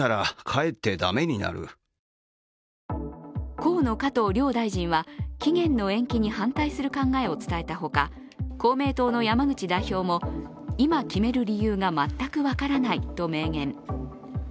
河野・加藤両大臣は期限の延期に反対する考えを伝えたほか公明党の山口代表も今、決める理由が全く分からないと明言。